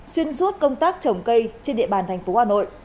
xuyên suốt công tác trồng cây trên địa bàn tp hà nội